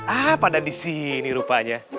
ah pada disini rupanya